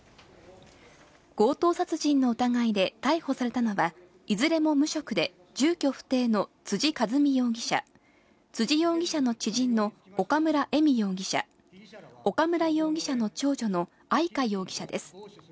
強盗殺人の疑いで逮捕されたのは、いずれも無職で住居不定の辻和美容疑者、辻容疑者の知人の岡村恵美容疑者、岡村容疑者の長女の愛香容疑者です。